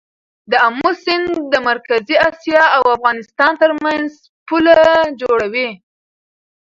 د امو سیند د مرکزي اسیا او افغانستان ترمنځ پوله جوړوي.